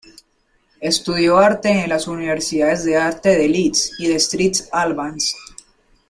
Estudió arte en las Universidades de Arte de Leeds y de St Albans.